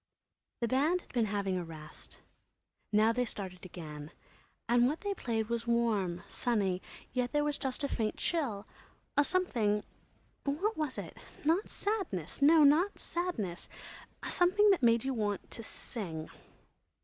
The band had been having a rest. Now they started again. And what they played was warm, sunny, yet there was just a faint chill—a something, what was it?—not sadness—no, not sadness—a something that made you want to sing.